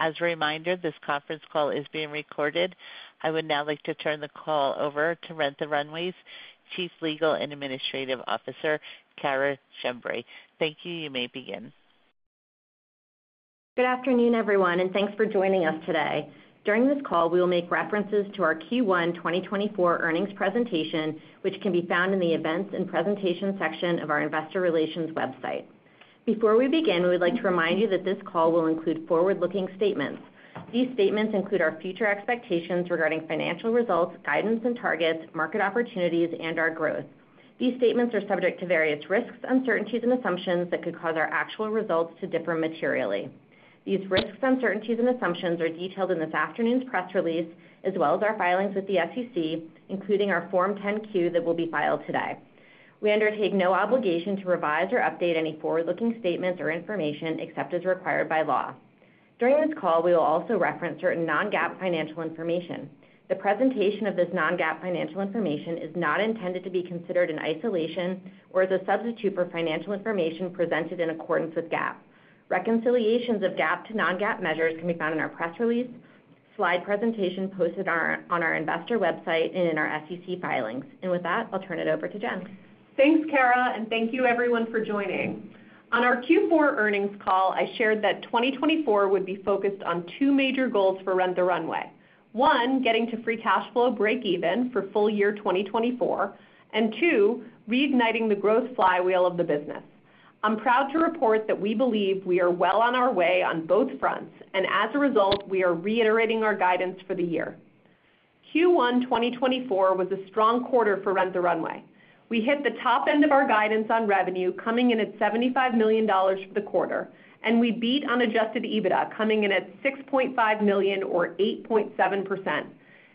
As a reminder, this conference call is being recorded. I would now like to turn the call over to Rent the Runway's Chief Legal and Administrative Officer, Cara Schembri. Thank you. You may begin. Good afternoon, everyone, and thanks for joining us today. During this call, we will make references to our Q1 2024 earnings presentation, which can be found in the Events and Presentations section of our investor relations website. Before we begin, we would like to remind you that this call will include forward-looking statements. These statements include our future expectations regarding financial results, guidance and targets, market opportunities, and our growth. These statements are subject to various risks, uncertainties and assumptions that could cause our actual results to differ materially. These risks, uncertainties, and assumptions are detailed in this afternoon's press release, as well as our filings with the SEC, including our Form 10-Q that will be filed today. We undertake no obligation to revise or update any forward-looking statements or information except as required by law. During this call, we will also reference certain non-GAAP financial information. The presentation of this non-GAAP financial information is not intended to be considered in isolation or as a substitute for financial information presented in accordance with GAAP. Reconciliations of GAAP to non-GAAP measures can be found in our press release, slide presentation posted on our investor website, and in our SEC filings. With that, I'll turn it over to Jen. Thanks, Cara, and thank you everyone for joining. On our Q4 earnings call, I shared that 2024 would be focused on two major goals for Rent the Runway. One, getting to free cash flow breakeven for full year 2024, and two, reigniting the growth flywheel of the business. I'm proud to report that we believe we are well on our way on both fronts, and as a result, we are reiterating our guidance for the year. Q1 2024 was a strong quarter for Rent the Runway. We hit the top end of our guidance on revenue, coming in at $75 million for the quarter, and we beat unadjusted EBITDA, coming in at $6.5 million or 8.7%.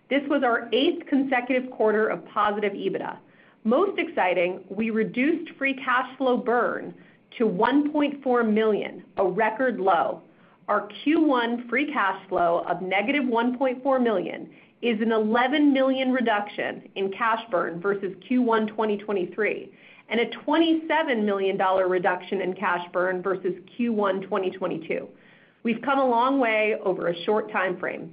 This was our eighth consecutive quarter of positive EBITDA. Most exciting, we reduced free cash flow burn to $1.4 million, a record low. Our Q1 free cash flow of -$1.4 million is an $11 million reduction in cash burn versus Q1 2023, and a $27 million reduction in cash burn versus Q1 2022. We've come a long way over a short time frame.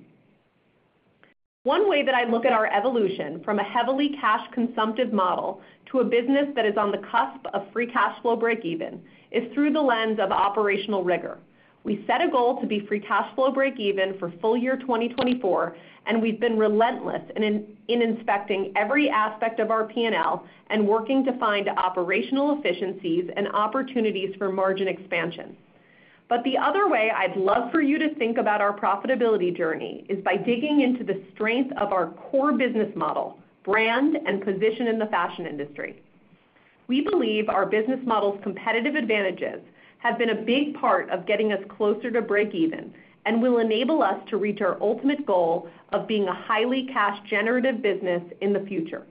One way that I look at our evolution from a heavily cash-consumptive model to a business that is on the cusp of free cash flow breakeven, is through the lens of operational rigor. We set a goal to be free cash flow breakeven for full year 2024, and we've been relentless in inspecting every aspect of our P&L and working to find operational efficiencies and opportunities for margin expansion. But the other way I'd love for you to think about our profitability journey is by digging into the strength of our core business model, brand, and position in the fashion industry. We believe our business model's competitive advantages have been a big part of getting us closer to breakeven, and will enable us to reach our ultimate goal of being a highly cash-generative business in the future.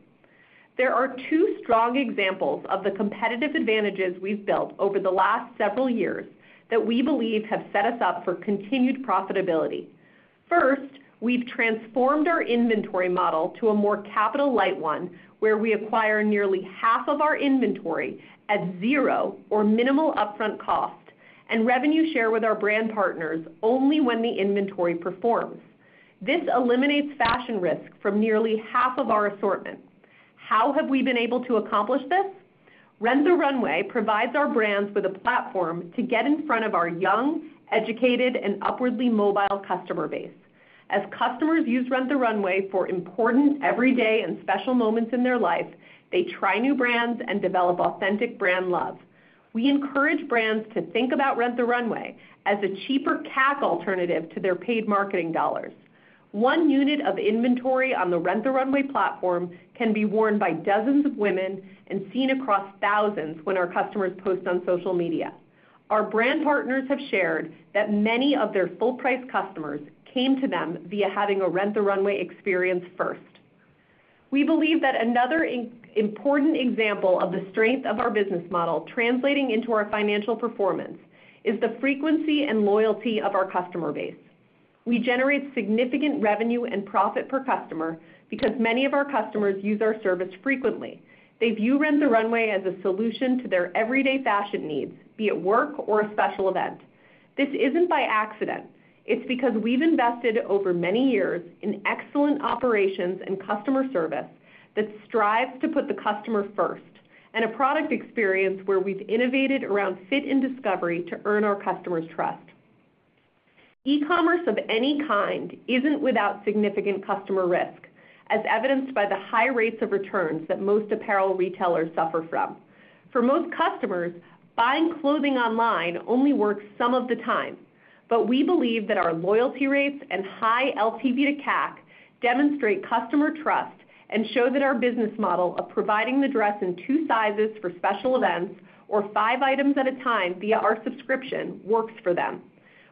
There are two strong examples of the competitive advantages we've built over the last several years that we believe have set us up for continued profitability. First, we've transformed our inventory model to a more capital-light one, where we acquire nearly half of our inventory at zero or minimal upfront cost, and revenue share with our brand partners only when the inventory performs. This eliminates fashion risk from nearly half of our assortment. How have we been able to accomplish this? Rent the Runway provides our brands with a platform to get in front of our young, educated, and upwardly mobile customer base. As customers use Rent the Runway for important, everyday, and special moments in their life, they try new brands and develop authentic brand love. We encourage brands to think about Rent the Runway as a cheaper CAC alternative to their paid marketing dollars. 1 unit of inventory on the Rent the Runway platform can be worn by dozens of women and seen across thousands when our customers post on social media. Our brand partners have shared that many of their full price customers came to them via having a Rent the Runway experience first. We believe that another important example of the strength of our business model translating into our financial performance is the frequency and loyalty of our customer base. We generate significant revenue and profit per customer because many of our customers use our service frequently. They view Rent the Runway as a solution to their everyday fashion needs, be it work or a special event. This isn't by accident. It's because we've invested over many years in excellent operations and customer service that strives to put the customer first, and a product experience where we've innovated around fit and discovery to earn our customers' trust. E-commerce of any kind isn't without significant customer risk, as evidenced by the high rates of returns that most apparel retailers suffer from. For most customers, buying clothing online only works some of the time. But we believe that our loyalty rates and high LTV to CAC demonstrate customer trust and show that our business model of providing the dress in two sizes for special events or five items at a time via our subscription, works for them.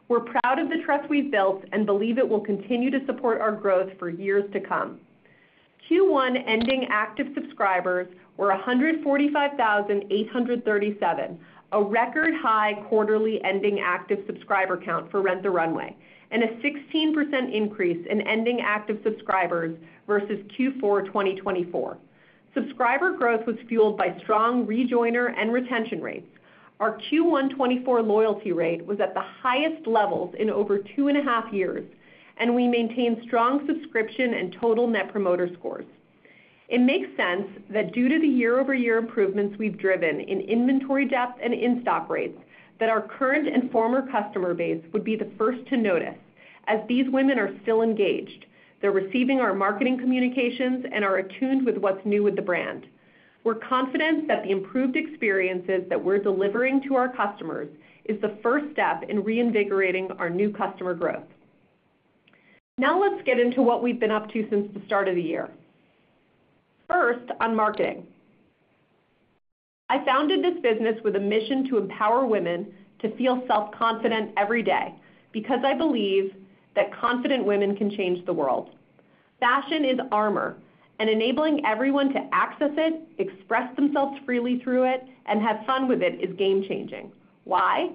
We're proud of the trust we've built and believe it will continue to support our growth for years to come. Q1 ending active subscribers were 145,837, a record high quarterly ending active subscriber count for Rent the Runway, and a 16% increase in ending active subscribers versus Q4 2024. Subscriber growth was fueled by strong rejoiner and retention rates. Our Q1 2024 loyalty rate was at the highest levels in over two and a half years, and we maintained strong subscription and total net promoter scores. It makes sense that due to the year-over-year improvements we've driven in inventory depth and in-stock rates, that our current and former customer base would be the first to notice, as these women are still engaged. They're receiving our marketing communications and are attuned with what's new with the brand. We're confident that the improved experiences that we're delivering to our customers is the first step in reinvigorating our new customer growth. Now let's get into what we've been up to since the start of the year. First, on marketing. I founded this business with a mission to empower women to feel self-confident every day, because I believe that confident women can change the world. Fashion is armor, and enabling everyone to access it, express themselves freely through it, and have fun with it, is game changing. Why?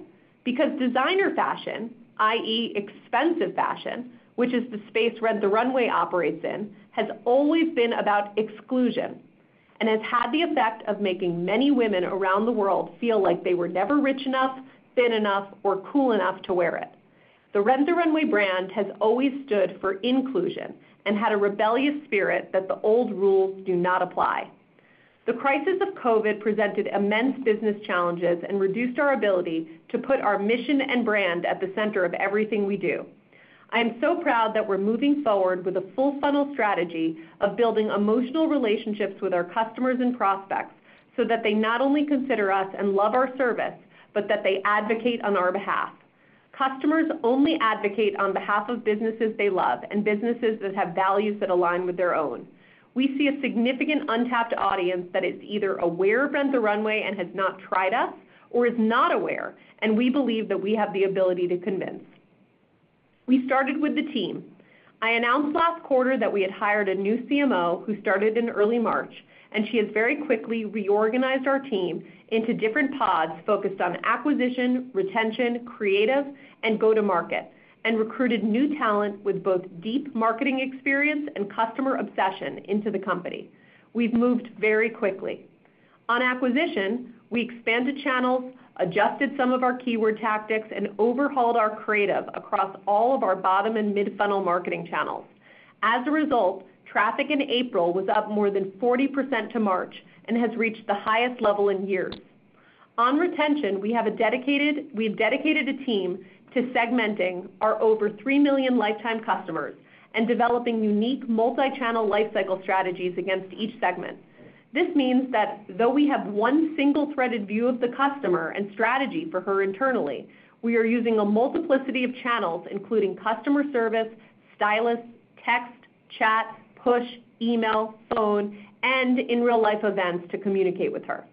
Because designer fashion, i.e., expensive fashion, which is the space Rent the Runway operates in, has always been about exclusion, and has had the effect of making many women around the world feel like they were never rich enough, thin enough, or cool enough to wear it. The Rent the Runway brand has always stood for inclusion and had a rebellious spirit that the old rules do not apply. The crisis of COVID presented immense business challenges and reduced our ability to put our mission and brand at the center of everything we do. I'm so proud that we're moving forward with a full funnel strategy of building emotional relationships with our customers and prospects, so that they not only consider us and love our service, but that they advocate on our behalf. Customers only advocate on behalf of businesses they love and businesses that have values that align with their own. We see a significant untapped audience that is either aware of Rent the Runway and has not tried us, or is not aware, and we believe that we have the ability to convince. We started with the team. I announced last quarter that we had hired a new CMO, who started in early March, and she has very quickly reorganized our team into different pods focused on acquisition, retention, creative, and go-to-market, and recruited new talent with both deep marketing experience and customer obsession into the company. We've moved very quickly. On acquisition, we expanded channels, adjusted some of our keyword tactics, and overhauled our creative across all of our bottom and mid-funnel marketing channels. As a result, traffic in April was up more than 40% to March and has reached the highest level in years. On retention, we've dedicated a team to segmenting our over 3 million lifetime customers and developing unique multi-channel life cycle strategies against each segment. This means that though we have one single-threaded view of the customer and strategy for her internally, we are using a multiplicity of channels, including customer service, stylists, text, chat, push, email, phone, and in real-life events to communicate with her.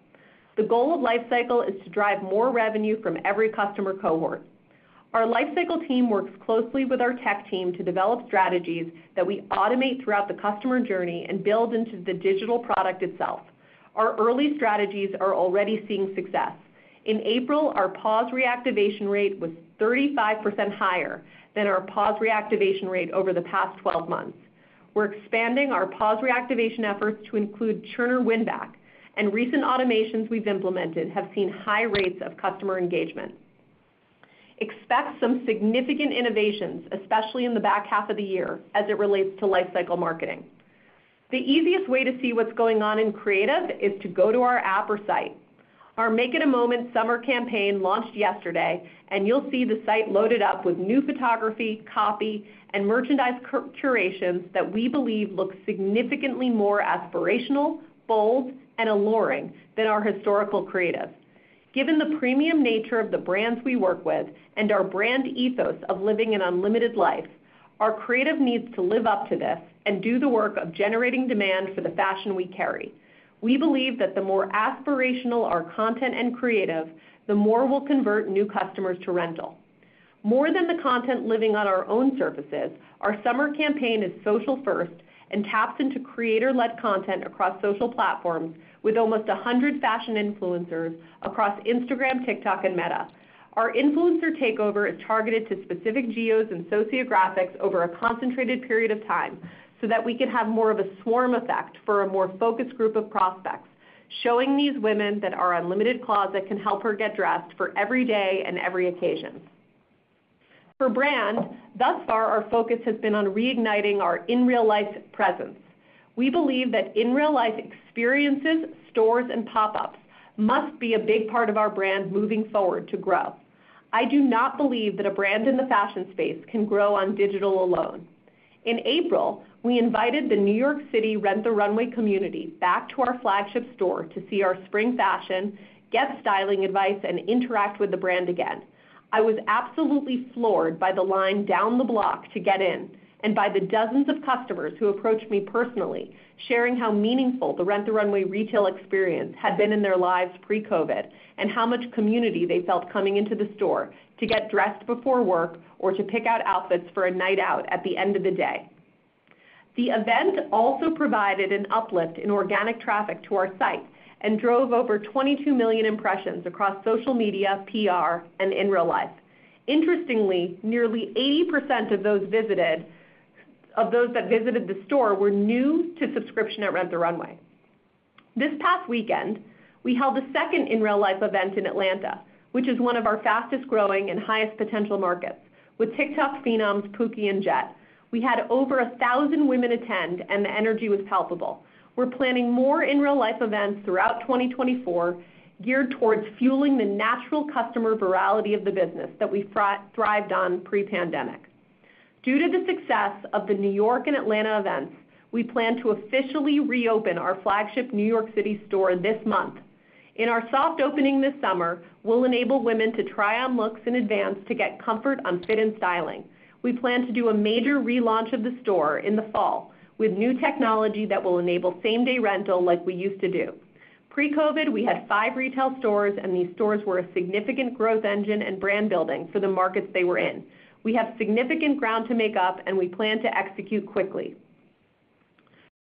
The goal of life cycle is to drive more revenue from every customer cohort. Our life cycle team works closely with our tech team to develop strategies that we automate throughout the customer journey and build into the digital product itself. Our early strategies are already seeing success. In April, our pause reactivation rate was 35% higher than our pause reactivation rate over the past 12 months. We're expanding our pause reactivation efforts to include churner win back, and recent automations we've implemented have seen high rates of customer engagement. Expect some significant innovations, especially in the back half of the year, as it relates to life cycle marketing. The easiest way to see what's going on in creative is to go to our app or site. Our Make It a Moment summer campaign launched yesterday, and you'll see the site loaded up with new photography, copy, and merchandise curations that we believe look significantly more aspirational, bold, and alluring than our historical creative. Given the premium nature of the brands we work with and our brand ethos of living an unlimited life, our creative needs to live up to this and do the work of generating demand for the fashion we carry. We believe that the more aspirational our content and creative, the more we'll convert new customers to Rental. More than the content living on our own services, our summer campaign is social first and taps into creator-led content across social platforms with almost 100 fashion influencers across Instagram, TikTok, and Meta. Our influencer takeover is targeted to specific geos and sociographics over a concentrated period of time, so that we can have more of a swarm effect for a more focused group of prospects, showing these women that our unlimited closet can help her get dressed for every day and every occasion. For brand, thus far, our focus has been on reigniting our in-real-life presence. We believe that in real-life experiences, stores, and pop-ups must be a big part of our brand moving forward to grow. I do not believe that a brand in the fashion space can grow on digital alone. In April, we invited the New York City Rent the Runway community back to our flagship store to see our spring fashion, get styling advice, and interact with the brand again. I was absolutely floored by the line down the block to get in, and by the dozens of customers who approached me personally, sharing how meaningful the Rent the Runway retail experience had been in their lives pre-COVID, and how much community they felt coming into the store to get dressed before work or to pick out outfits for a night out at the end of the day. The event also provided an uplift in organic traffic to our site and drove over 22 million impressions across social media, PR, and in real life. Interestingly, nearly 80% of those that visited the store were new to subscription at Rent the Runway. This past weekend, we held a second In Real Life event in Atlanta, which is one of our fastest-growing and highest potential markets. With TikTok phenoms, Pookie and Jett, we had over 1,000 women attend, and the energy was palpable. We're planning more In Real Life events throughout 2024, geared towards fueling the natural customer virality of the business that we thrived on pre-pandemic. Due to the success of the New York and Atlanta events, we plan to officially reopen our flagship New York City store this month. In our soft opening this summer, we'll enable women to try on looks in advance to get comfort on fit and styling. We plan to do a major relaunch of the store in the fall, with new technology that will enable same-day Rental like we used to do. Pre-COVID, we had five retail stores, and these stores were a significant growth engine and brand building for the markets they were in. We have significant ground to make up, and we plan to execute quickly.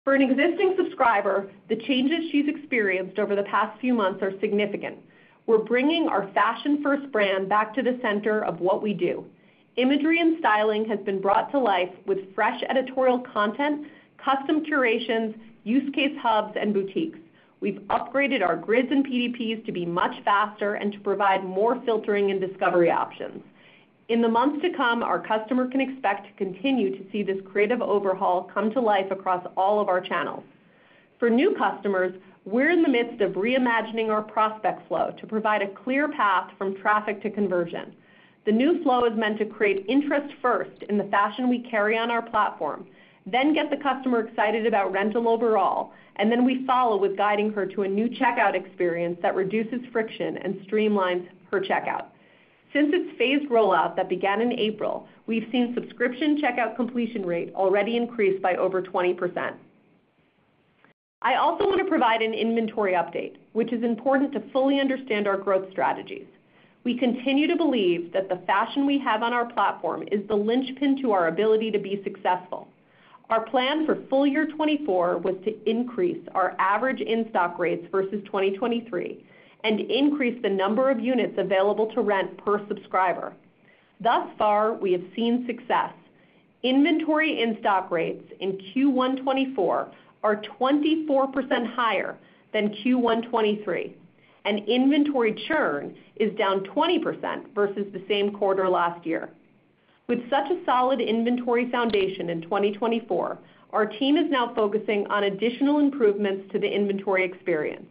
For an existing subscriber, the changes she's experienced over the past few months are significant. We're bringing our fashion-first brand back to the center of what we do. Imagery and styling has been brought to life with fresh editorial content, custom curations, use case hubs, and boutiques. We've upgraded our grids and PDPs to be much faster and to provide more filtering and discovery options. In the months to come, our customer can expect to continue to see this creative overhaul come to life across all of our channels. For new customers, we're in the midst of reimagining our prospect flow to provide a clear path from traffic to conversion. The new flow is meant to create interest first in the fashion we carry on our platform, then get the customer excited about Rental overall, and then we follow with guiding her to a new checkout experience that reduces friction and streamlines her checkout. Since its phased rollout that began in April, we've seen subscription checkout completion rate already increase by over 20%. I also want to provide an inventory update, which is important to fully understand our growth strategies. We continue to believe that the fashion we have on our platform is the linchpin to our ability to be successful. Our plan for full year 2024 was to increase our average in-stock rates versus 2023, and increase the number of units available to rent per subscriber. Thus far, we have seen success. Inventory in-stock rates in Q1 2024 are 24% higher than Q1 2023, and inventory churn is down 20% versus the same quarter last year. With such a solid inventory foundation in 2024, our team is now focusing on additional improvements to the inventory experience.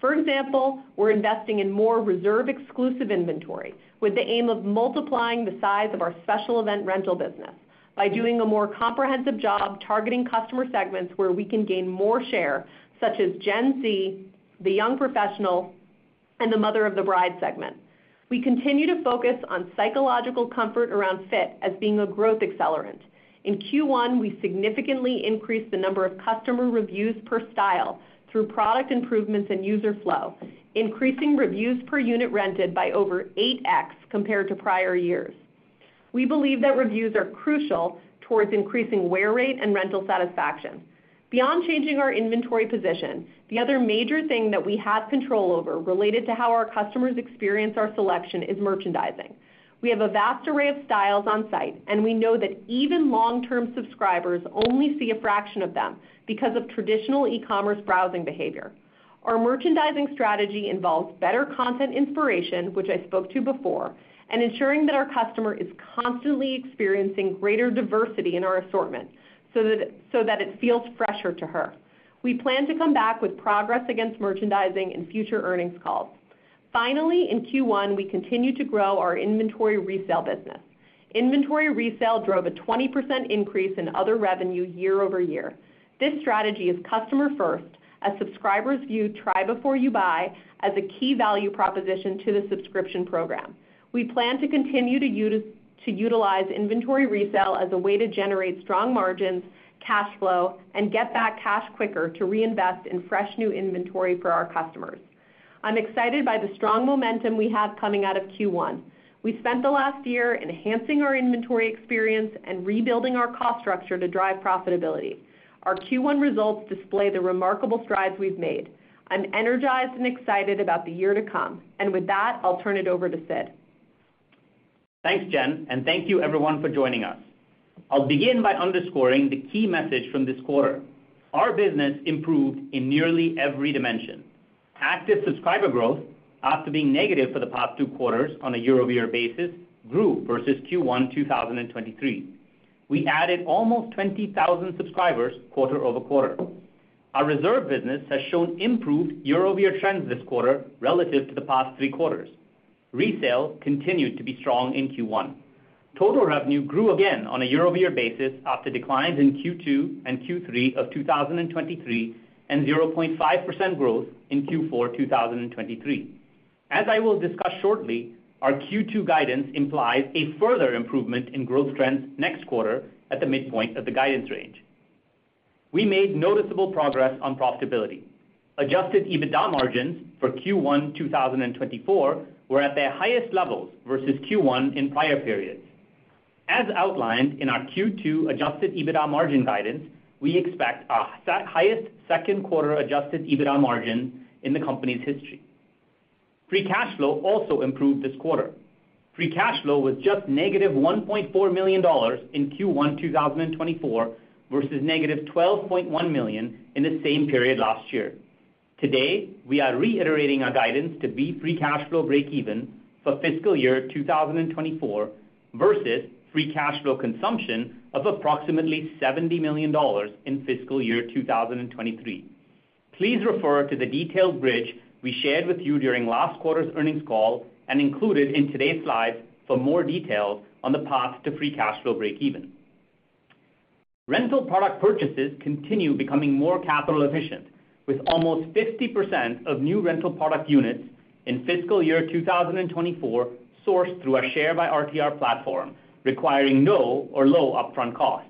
For example, we're investing in more Reserve exclusive inventory, with the aim of multiplying the size of our special event Rental business by doing a more comprehensive job targeting customer segments where we can gain more share, such as Gen Z, the young professional, and the mother of the bride segment. We continue to focus on psychological comfort around fit as being a growth accelerant. In Q1, we significantly increased the number of customer reviews per style through product improvements and user flow, increasing reviews per unit rented by over 8x compared to prior years. We believe that reviews are crucial towards increasing wear rate and Rental satisfaction. Beyond changing our inventory position, the other major thing that we have control over related to how our customers experience our selection is merchandising. We have a vast array of styles on site, and we know that even long-term subscribers only see a fraction of them because of traditional e-commerce browsing behavior. Our merchandising strategy involves better content inspiration, which I spoke to before, and ensuring that our customer is constantly experiencing greater diversity in our assortment, so that, so that it feels fresher to her. We plan to come back with progress against merchandising in future earnings calls. Finally, in Q1, we continued to grow our inventory Resale business. Inventory Resale drove a 20% increase in other revenue year-over-year. This strategy is customer-first, as subscribers view try before you buy as a key value proposition to the subscription program. We plan to continue to utilize inventory Resale as a way to generate strong margins, cash flow, and get back cash quicker to reinvest in fresh, new inventory for our customers. I'm excited by the strong momentum we have coming out of Q1. We spent the last year enhancing our inventory experience and rebuilding our cost structure to drive profitability. Our Q1 results display the remarkable strides we've made. I'm energized and excited about the year to come, and with that, I'll turn it over to Sid. Thanks, Jen, and thank you everyone for joining us. I'll begin by underscoring the key message from this quarter. Our business improved in nearly every dimension. Active subscriber growth, after being negative for the past two quarters on a year-over-year basis, grew versus Q1 2023. We added almost 20,000 subscribers quarter over quarter. Our Reserve business has shown improved year-over-year trends this quarter relative to the past three quarters. Resale continued to be strong in Q1. Total revenue grew again on a year-over-year basis after declines in Q2 and Q3 of 2023, and 0.5% growth in Q4 2023. As I will discuss shortly, our Q2 guidance implies a further improvement in growth trends next quarter at the midpoint of the guidance range. We made noticeable progress on profitability. Adjusted EBITDA margins for Q1 2024 were at their highest levels versus Q1 in prior periods. As outlined in our Q2 adjusted EBITDA margin guidance, we expect our highest second quarter adjusted EBITDA margin in the company's history. Free cash flow also improved this quarter. Free cash flow was just negative $1.4 million in Q1 2024, versus negative $12.1 million in the same period last year. Today, we are reiterating our guidance to be free cash flow breakeven for fiscal year 2024, versus free cash flow consumption of approximately $70 million in fiscal year 2023. Please refer to the detailed bridge we shared with you during last quarter's earnings call and included in today's slides for more details on the path to free cash flow breakeven. Rental product purchases continue becoming more capital efficient, with almost 50% of new Rental product units in fiscal year 2024, sourced through our Share by RTR platform, requiring no or low upfront cost.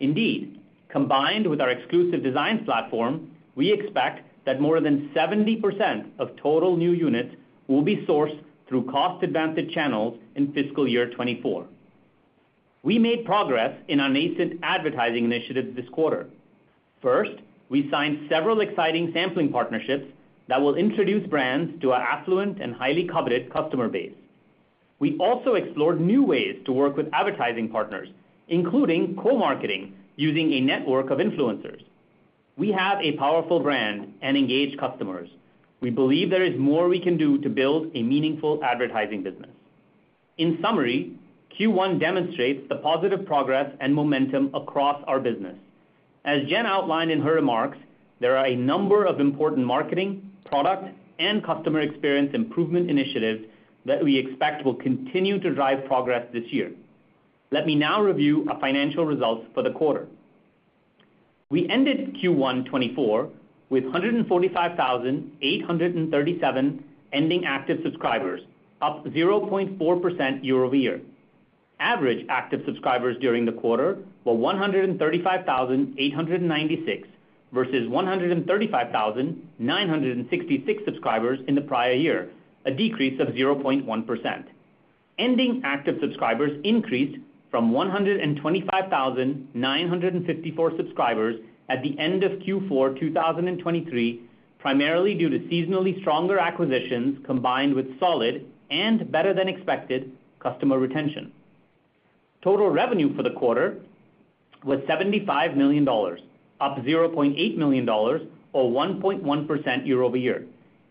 Indeed, combined with our exclusive design platform, we expect that more than 70% of total new units will be sourced through cost-advantaged channels in fiscal year 2024. We made progress in our nascent advertising initiatives this quarter. First, we signed several exciting sampling partnerships that will introduce brands to our affluent and highly coveted customer base. We also explored new ways to work with advertising partners, including co-marketing, using a network of influencers. We have a powerful brand and engaged customers. We believe there is more we can do to build a meaningful advertising business. In summary, Q1 demonstrates the positive progress and momentum across our business. As Jen outlined in her remarks, there are a number of important marketing, product, and customer experience improvement initiatives that we expect will continue to drive progress this year. Let me now review our financial results for the quarter. We ended Q1 2024 with 145,837 ending active subscribers, up 0.4% year-over-year. Average active subscribers during the quarter were 135,896, versus 135,966 subscribers in the prior year, a decrease of 0.1%. Ending active subscribers increased from 125,954 subscribers at the end of Q4 2023, primarily due to seasonally stronger acquisitions, combined with solid and better-than-expected customer retention. Total revenue for the quarter was $75 million, up $0.8 million, or 1.1% year-over-year,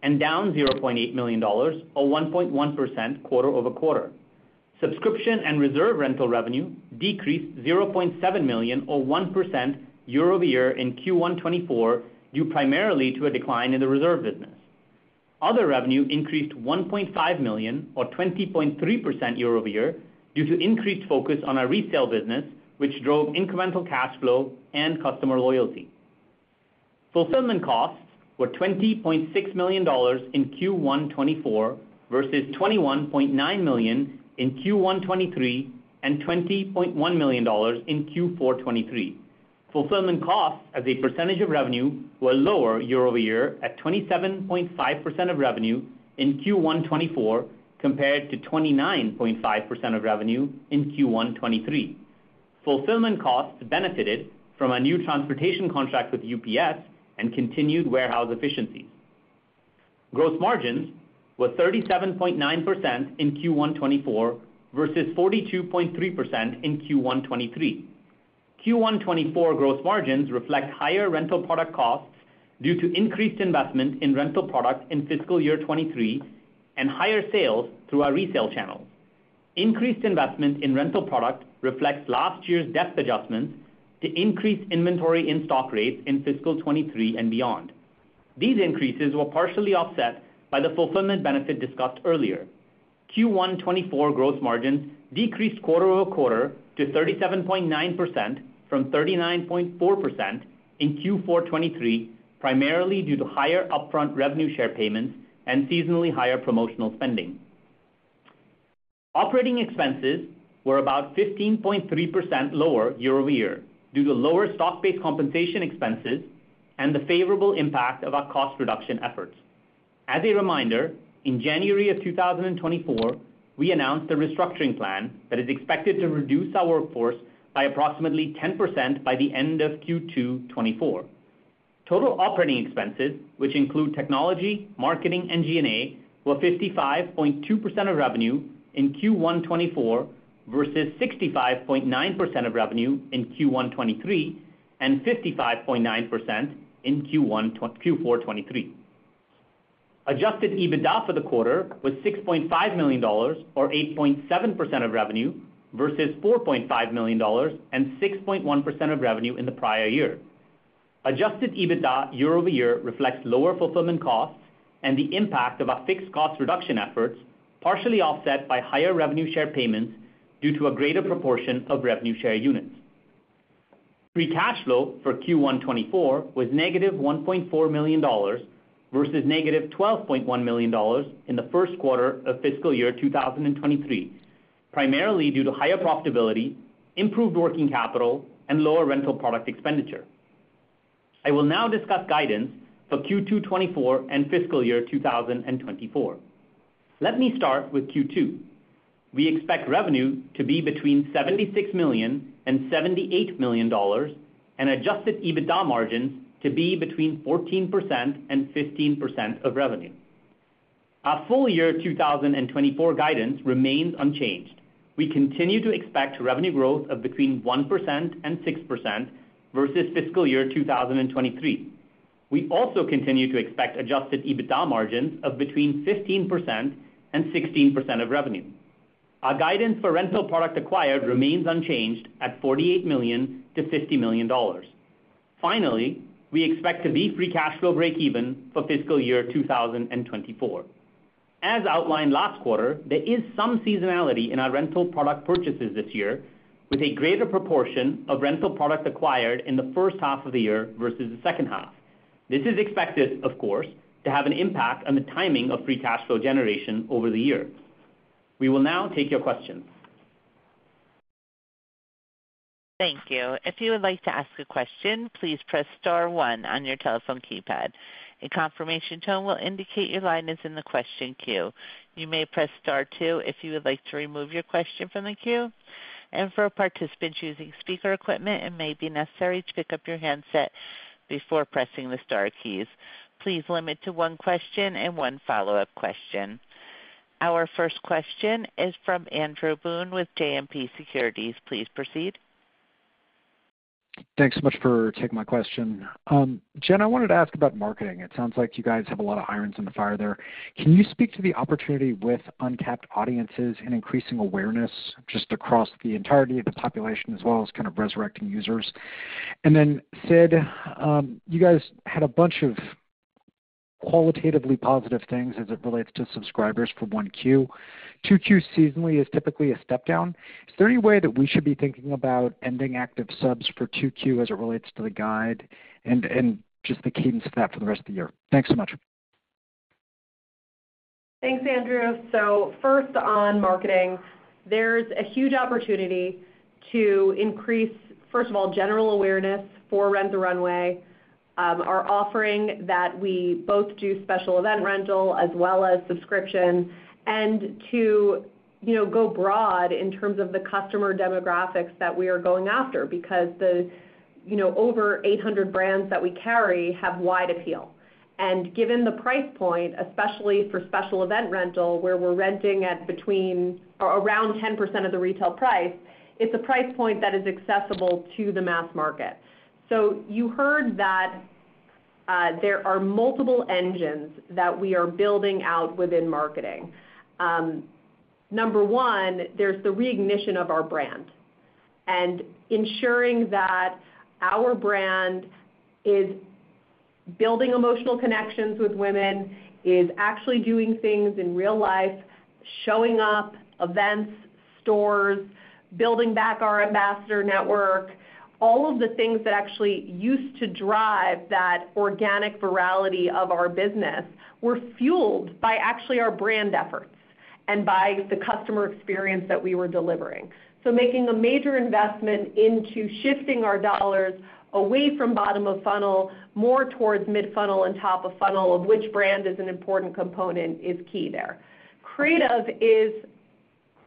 and down $0.8 million, or 1.1% quarter-over-quarter. Subscription and Reserve Rental revenue decreased $0.7 million, or 1% year-over-year in Q1 2024, due primarily to a decline in the Reserve business. Other revenue increased $1.5 million, or 20.3% year-over-year, due to increased focus on our Resale business, which drove incremental cash flow and customer loyalty. Fulfillment costs were $20.6 million in Q1 2024, versus $21.9 million in Q1 2023, and $20.1 million in Q4 2023. Fulfillment costs as a percentage of revenue were lower year-over-year at 27.5% of revenue in Q1 2024, compared to 29.5% of revenue in Q1 2023. Fulfillment costs benefited from a new transportation contract with UPS and continued warehouse efficiencies. Gross margins were 37.9% in Q1 2024, versus 42.3% in Q1 2023. Q1 2024 gross margins reflect higher Rental product costs due to increased investment in Rental products in fiscal year 2023 and higher sales through our Resale channels. Increased investment in Rental product reflects last year's depth adjustments to increase inventory in stock rates in fiscal 2023 and beyond. These increases were partially offset by the fulfillment benefit discussed earlier. Q1 2024 gross margins decreased quarter-over-quarter to 37.9% from 39.4% in Q4 2023, primarily due to higher upfront revenue share payments and seasonally higher promotional spending. Operating expenses were about 15.3% lower year-over-year, due to lower stock-based compensation expenses and the favorable impact of our cost reduction efforts. As a reminder, in January of 2024, we announced a restructuring plan that is expected to reduce our workforce by approximately 10% by the end of Q2 2024. Total operating expenses, which include technology, marketing, and G&A, were 55.2% of revenue in Q1 2024, versus 65.9% of revenue in Q1 2023, and 55.9% in Q4 2023. Adjusted EBITDA for the quarter was $6.5 million, or 8.7% of revenue, versus $4.5 million and 6.1% of revenue in the prior year. Adjusted EBITDA year-over-year reflects lower fulfillment costs and the impact of our fixed cost reduction efforts, partially offset by higher revenue share payments due to a greater proportion of revenue share units. Free cash flow for Q1 2024 was -$1.4 million, versus -$12.1 million in the first quarter of fiscal year 2023, primarily due to higher profitability, improved working capital, and lower Rental product expenditure. I will now discuss guidance for Q2 2024 and fiscal year 2024. Let me start with Q2. We expect revenue to be between $76 million and $78 million, and Adjusted EBITDA margins to be between 14% and 15% of revenue. Our full year 2024 guidance remains unchanged. We continue to expect revenue growth of between 1% and 6% versus fiscal year 2023. We also continue to expect Adjusted EBITDA margins of between 15% and 16% of revenue. Our guidance for Rental product acquired remains unchanged at $48 million-$50 million. Finally, we expect to be free cash flow breakeven for fiscal year 2024. As outlined last quarter, there is some seasonality in our Rental product purchases this year, with a greater proportion of Rental product acquired in the first half of the year versus the second half. This is expected, of course, to have an impact on the timing of Free Cash Flow generation over the year. We will now take your questions. Thank you. If you would like to ask a question, please press star one on your telephone keypad. A confirmation tone will indicate your line is in the question queue. You may press star two if you would like to remove your question from the queue. For participants using speaker equipment, it may be necessary to pick up your handset before pressing the star keys. Please limit to one question and one follow-up question. Our first question is from Andrew Boone with JMP Securities. Please proceed. Thanks so much for taking my question. Jen, I wanted to ask about marketing. It sounds like you guys have a lot of irons in the fire there. Can you speak to the opportunity with uncapped audiences and increasing awareness just across the entirety of the population, as well as kind of resurrecting users? And then, Sid, you guys had a bunch of qualitatively positive things as it relates to subscribers for 1Q. 2Q seasonally is typically a step down. Is there any way that we should be thinking about ending active subs for 2Q as it relates to the guide and just the cadence of that for the rest of the year? Thanks so much. Thanks, Andrew. So first on marketing, there's a huge opportunity to increase, first of all, general awareness for Rent the Runway, our offering that we both do special event Rental as well as subscription, and to, you know, go broad in terms of the customer demographics that we are going after, because the, you know, over 800 brands that we carry have wide appeal. And given the price point, especially for special event Rental, where we're renting at between or around 10% of the retail price, it's a price point that is accessible to the mass market. So you heard that, there are multiple engines that we are building out within marketing. Number one, there's the reignition of our brand and ensuring that our brand is building emotional connections with women, is actually doing things in real life, showing up, events, stores, building back our ambassador network. All of the things that actually used to drive that organic virality of our business were fueled by actually our brand efforts and by the customer experience that we were delivering. So making a major investment into shifting our dollars away from bottom of funnel, more towards mid funnel and top of funnel, of which brand is an important component, is key there. Creative is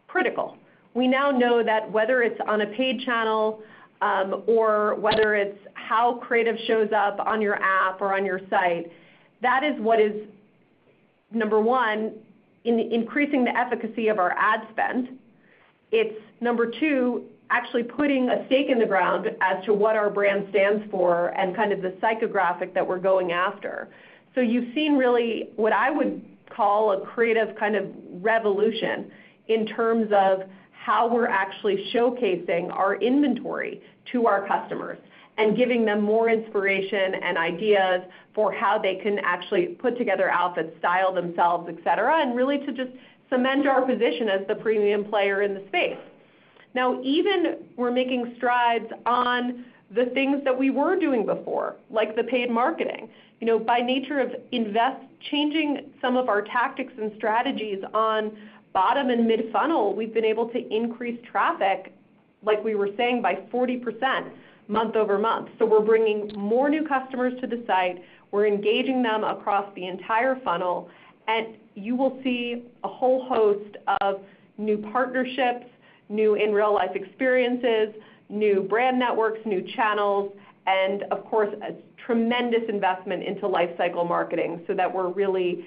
critical. We now know that whether it's on a paid channel, or whether it's how creative shows up on your app or on your site, that is what is, number one, in increasing the efficacy of our ad spend. It's number two, actually putting a stake in the ground as to what our brand stands for and kind of the psychographic that we're going after. So you've seen really what I would call a creative kind of revolution in terms of how we're actually showcasing our inventory to our customers and giving them more inspiration and ideas for how they can actually put together outfits, style themselves, et cetera, and really to just cement our position as the premium player in the space. Now, even as we're making strides on the things that we were doing before, like the paid marketing. You know, by nature of investing, changing some of our tactics and strategies on bottom and mid funnel, we've been able to increase traffic, like we were saying, by 40% month-over-month. So we're bringing more new customers to the site, we're engaging them across the entire funnel, and you will see a whole host of new partnerships, new in-real-life experiences, new brand networks, new channels, and of course, a tremendous investment into lifecycle marketing, so that we're really,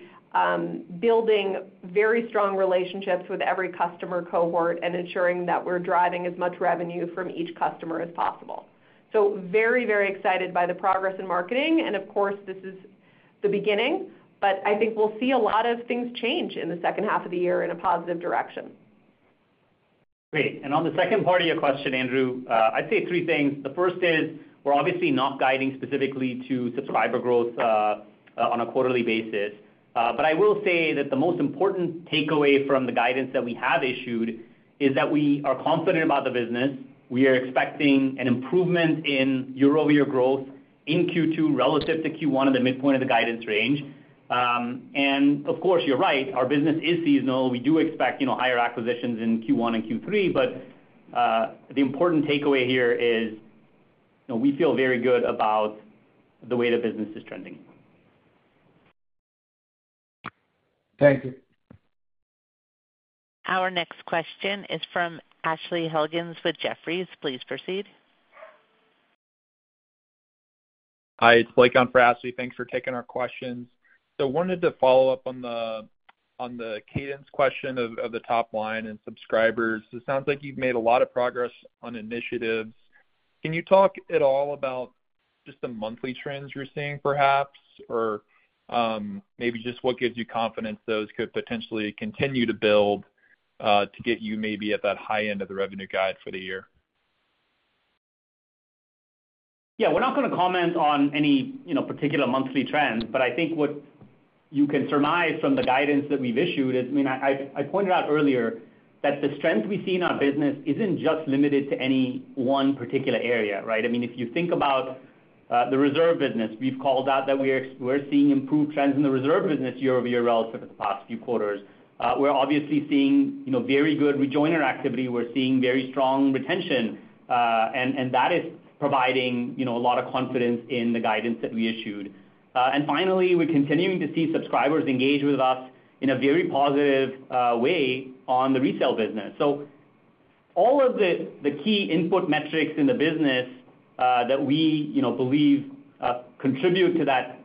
building very strong relationships with every customer cohort and ensuring that we're driving as much revenue from each customer as possible. So very, very excited by the progress in marketing, and of course, this is the beginning, but I think we'll see a lot of things change in the second half of the year in a positive direction. Great. And on the second part of your question, Andrew, I'd say three things. The first is, we're obviously not guiding specifically to subscriber growth on a quarterly basis. But I will say that the most important takeaway from the guidance that we have issued is that we are confident about the business. We are expecting an improvement in year-over-year growth in Q2 relative to Q1 at the midpoint of the guidance range. And of course, you're right, our business is seasonal. We do expect, you know, higher acquisitions in Q1 and Q3, but the important takeaway here is, you know, we feel very good about the way the business is trending. Thank you. Our next question is from Ashley Helgans with Jefferies. Please proceed. Hi, it's Blake on for Ashley. Thanks for taking our questions. So wanted to follow up on the cadence question of the top line and subscribers. It sounds like you've made a lot of progress on initiatives. Can you talk at all about just the monthly trends you're seeing, perhaps, or maybe just what gives you confidence those could potentially continue to build to get you maybe at that high end of the revenue guide for the year? Yeah, we're not going to comment on any, you know, particular monthly trends, but I think what you can surmise from the guidance that we've issued is... I mean, I pointed out earlier that the strength we see in our business isn't just limited to any one particular area, right? I mean, if you think about the Reserve business, we've called out that we're seeing improved trends in the Reserve business year over year relative to the past few quarters. We're obviously seeing, you know, very good rejoiner activity. We're seeing very strong retention, and that is providing, you know, a lot of confidence in the guidance that we issued. And finally, we're continuing to see subscribers engage with us in a very positive way on the Resale business. So all of the key input metrics in the business that we, you know, believe contribute to that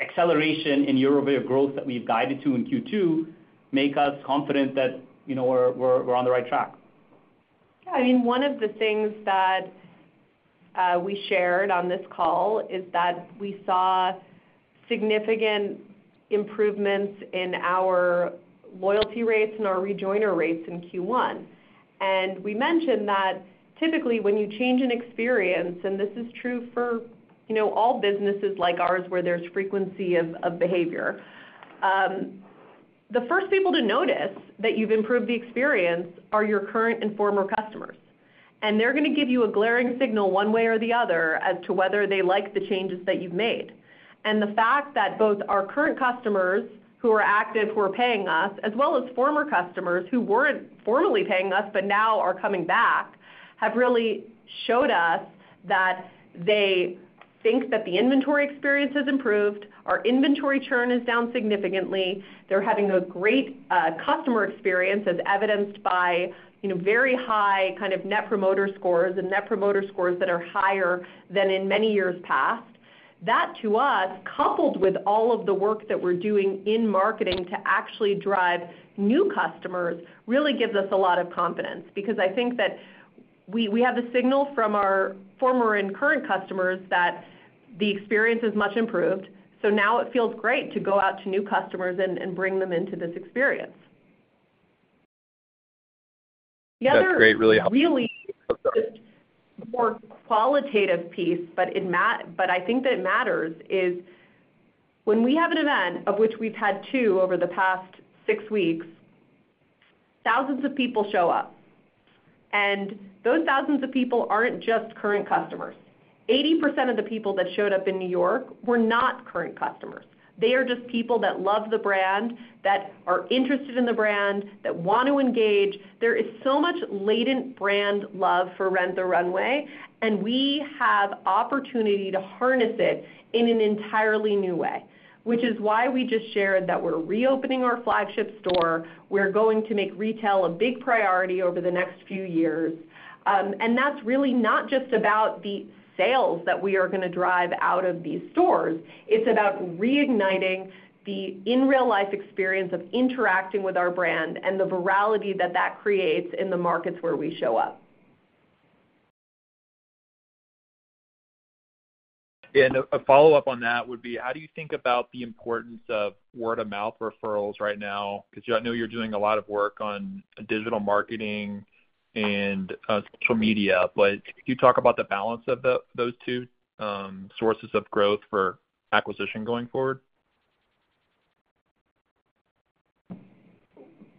acceleration in year-over-year growth that we've guided to in Q2 make us confident that, you know, we're on the right track. Yeah, I mean, one of the things that we shared on this call is that we saw significant improvements in our loyalty rates and our rejoiner rates in Q1. We mentioned that typically, when you change an experience, and this is true for, you know, all businesses like ours, where there's frequency of behavior, the first people to notice that you've improved the experience are your current and former customers. They're going to give you a glaring signal, one way or the other, as to whether they like the changes that you've made. The fact that both our current customers, who are active, who are paying us, as well as former customers who weren't formerly paying us, but now are coming back, have really showed us that they think that the inventory experience has improved. Our inventory churn is down significantly. They're having a great customer experience, as evidenced by, you know, very high kind of Net Promoter Scores, and Net Promoter Scores that are higher than in many years past. That, to us, coupled with all of the work that we're doing in marketing to actually drive new customers, really gives us a lot of confidence. Because I think that we have the signal from our former and current customers that the experience is much improved, so now it feels great to go out to new customers and bring them into this experience. That's great, really helpful. The other really more qualitative piece, but I think that it matters, is when we have an event, of which we've had two over the past six weeks, thousands of people show up, and those thousands of people aren't just current customers. 80% of the people that showed up in New York were not current customers. They are just people that love the brand, that are interested in the brand, that want to engage. There is so much latent brand love for Rent the Runway, and we have opportunity to harness it in an entirely new way, which is why we just shared that we're reopening our flagship store. We're going to make retail a big priority over the next few years. And that's really not just about the sales that we are going to drive out of these stores. It's about reigniting the in-real-life experience of interacting with our brand and the virality that that creates in the markets where we show up. A follow-up on that would be: how do you think about the importance of word-of-mouth referrals right now? Because I know you're doing a lot of work on digital marketing and social media, but can you talk about the balance of those two sources of growth for acquisition going forward?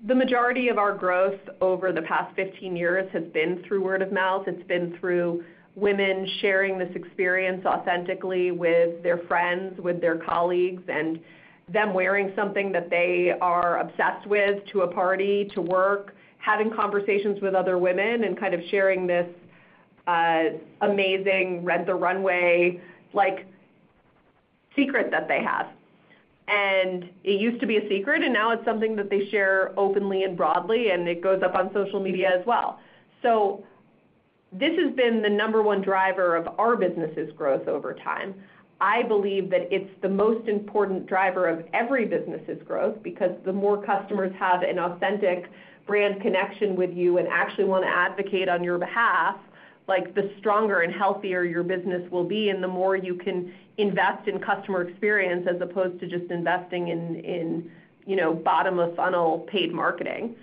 The majority of our growth over the past 15 years has been through word of mouth. It's been through women sharing this experience authentically with their friends, with their colleagues, and them wearing something that they are obsessed with to a party, to work, having conversations with other women and kind of sharing this, amazing Rent the Runway, like, secret that they have. And it used to be a secret, and now it's something that they share openly and broadly, and it goes up on social media as well. So this has been the number one driver of our business's growth over time. I believe that it's the most important driver of every business's growth, because the more customers have an authentic brand connection with you and actually want to advocate on your behalf, like, the stronger and healthier your business will be, and the more you can invest in, you know, bottom-of-funnel paid marketing.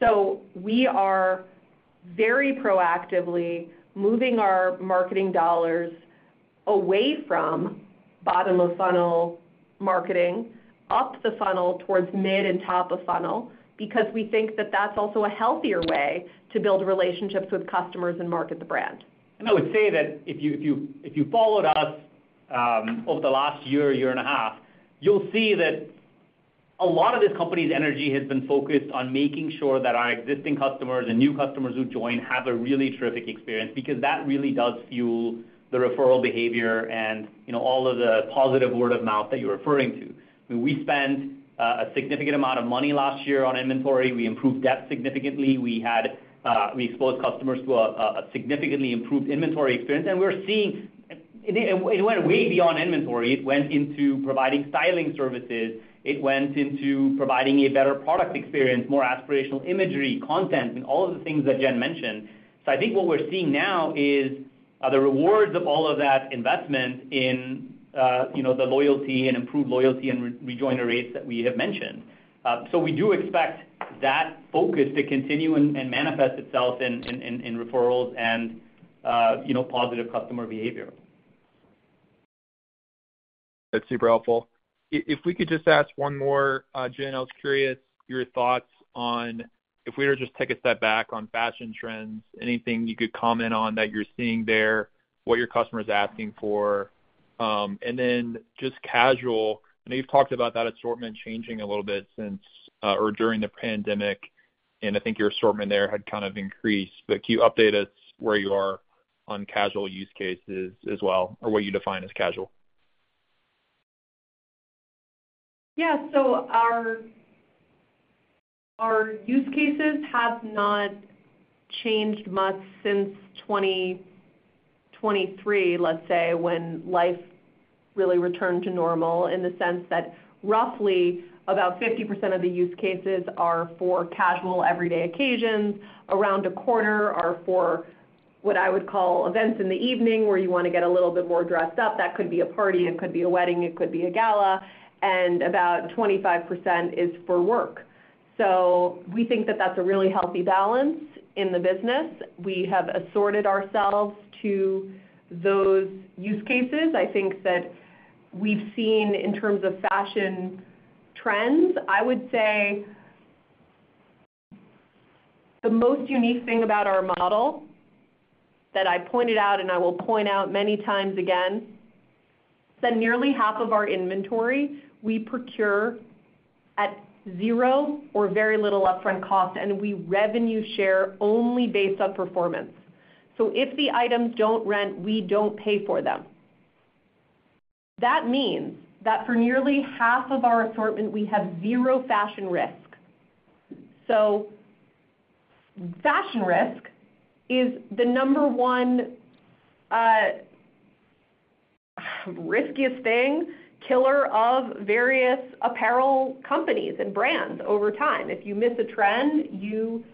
So we are very proactively moving our marketing dollars away from bottom-of-funnel marketing, up the funnel towards mid and top of funnel, because we think that that's also a healthier way to build relationships with customers and market the brand. I would say that if you followed us over the last year and a half, you'll see that a lot of this company's energy has been focused on making sure that our existing customers and new customers who join have a really terrific experience, because that really does fuel the referral behavior and, you know, all of the positive word-of-mouth that you're referring to. We spent a significant amount of money last year on inventory. We improved depth significantly. We exposed customers to a significantly improved inventory experience, and we're seeing it went way beyond inventory. It went into providing styling services. It went into providing a better product experience, more aspirational imagery, content, and all of the things that Jen mentioned. So I think what we're seeing now is the rewards of all of that investment in, you know, the loyalty and improved loyalty and re-joiner rates that we have mentioned. So we do expect that focus to continue and manifest itself in referrals and, you know, positive customer behavior. That's super helpful. If we could just ask one more. Jen, I was curious your thoughts on if we were to just take a step back on fashion trends, anything you could comment on that you're seeing there, what your customer is asking for? And then just casual, I know you've talked about that assortment changing a little bit since, or during the pandemic, and I think your assortment there had kind of increased, but can you update us where you are on casual use cases as well, or what you define as casual? Yeah. So our use cases have not changed much since 2023, let's say, when life really returned to normal, in the sense that roughly about 50% of the use cases are for casual, everyday occasions. Around 25% are for what I would call events in the evening, where you want to get a little bit more dressed up. That could be a party, it could be a wedding, it could be a gala, and about 25% is for work. So we think that that's a really healthy balance in the business. We have assorted ourselves to those use cases. I think that we've seen in terms of fashion trends, I would say... The most unique thing about our model that I pointed out, and I will point out many times again, that nearly half of our inventory, we procure at zero or very little upfront cost, and we revenue share only based on performance. So if the items don't rent, we don't pay for them. That means that for nearly half of our assortment, we have zero fashion risk. So fashion risk is the number one, riskiest thing, killer of various apparel companies and brands over time. If you miss a trend, you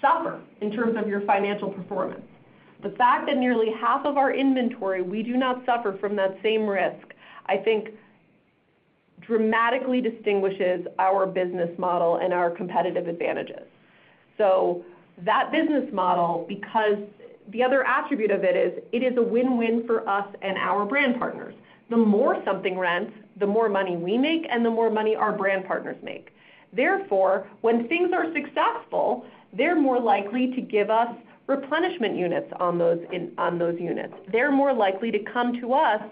suffer in terms of your financial performance. The fact that nearly half of our inventory, we do not suffer from that same risk, I think dramatically distinguishes our business model and our competitive advantages. So that business model, because the other attribute of it is, it is a win-win for us and our brand partners. The more something rents, the more money we make and the more money our brand partners make. Therefore, when things are successful, they're more likely to give us replenishment units on those units. They're more likely to come to us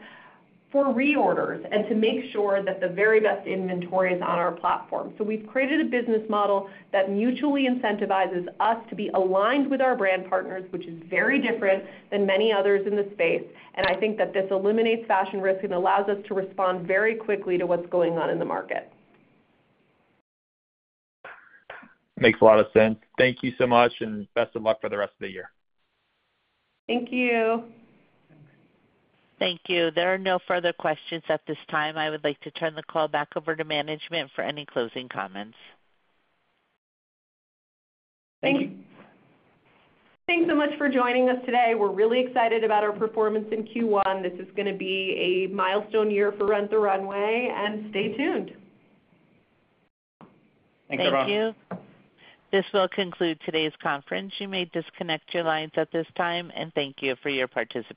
for reorders and to make sure that the very best inventory is on our platform. So we've created a business model that mutually incentivizes us to be aligned with our brand partners, which is very different than many others in the space. I think that this eliminates fashion risk and allows us to respond very quickly to what's going on in the market. Makes a lot of sense. Thank you so much, and best of luck for the rest of the year. Thank you. Thank you. There are no further questions at this time. I would like to turn the call back over to management for any closing comments. Thank you. Thanks so much for joining us today. We're really excited about our performance in Q1. This is gonna be a milestone year for Rent the Runway, and stay tuned. Thanks, everyone. Thank you. This will conclude today's conference. You may disconnect your lines at this time, and thank you for your participation.